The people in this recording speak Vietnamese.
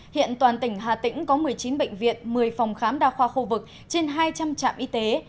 hiện toàn tỉnh hà tĩnh có một mươi chín bệnh viện một mươi phòng khám đa khoa khu vực trên hai trăm linh trạm y tế